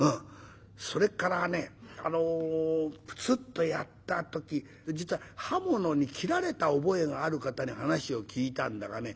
それからねプツッとやった時実は刃物に斬られた覚えがある方に話を聞いたんだがね